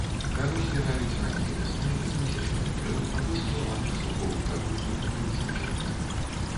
Кару збіраюць ранняй вясной з высечаных дрэў або спілаваных сукоў пры акультурванні насаджэнняў.